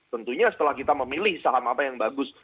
tentunya setelah kita memilih saham apa yang bagus